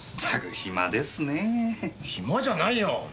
暇じゃないよ！